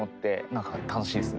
なんか楽しいですね。